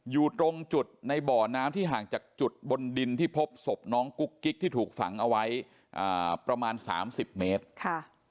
อยู่ตรงจุดในบ่อน้ำที่ห่างจากจุดบนดินที่พบศพน้องกุ๊กกิ๊กที่ถูกฝังเอาไว้อ่าประมาณสามสิบเมตรค่ะ